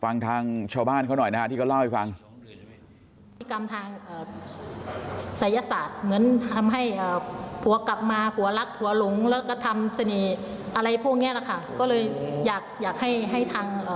ฟังทางชาวบ้านเขาหน่อยนะฮะที่เขาเล่าให้ฟัง